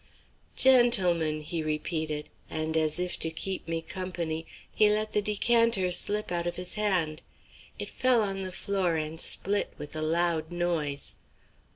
"Gentlemen," he repeated, and as if to keep me company, he let the decanter slip out of his hand. It fell on the floor and split with a loud noise.